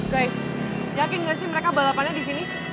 guys yakin gak sih mereka balapannya di sini